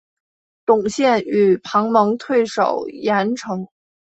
董宪与庞萌退守郯城。